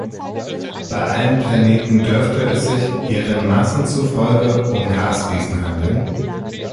Bei allen Planeten dürfte es sich, ihren Massen zufolge, um Gasriesen handeln.